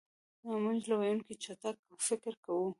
مونږ له ویونکي چټک فکر کوو.